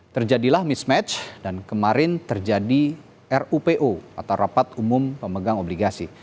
terjadilah mismatch dan kemarin terjadi rupo atau rapat umum pemegang obligasi